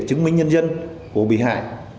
để chứng minh nhân dân của bị hại